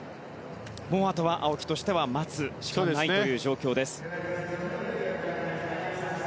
あとは青木としては待つしかないという状況です。